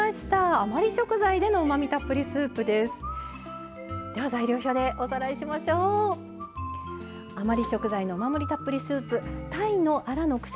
余り食材でのうまみたっぷりのスープです。